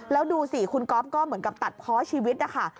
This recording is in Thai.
แล้วดูสิคุณก๊อฟก็เหมือนกับตัดเพาะชีวิตนะคะ